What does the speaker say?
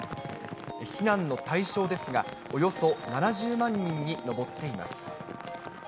避難の対象ですが、およそ７０万人に上っています。